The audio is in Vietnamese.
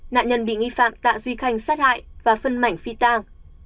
nạn nhân bị nghi phạm tạ duy khanh sát hại và phân mảnh phi tàng